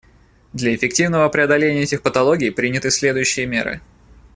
Для эффективного преодоления этих патологий приняты следующие меры.